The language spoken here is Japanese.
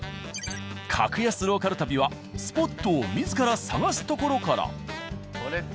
格安ローカル旅はスポットを自ら探すところから。